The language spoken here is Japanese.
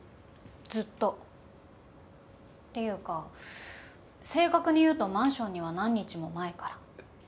ずっと。っていうか正確に言うとマンションには何日も前から。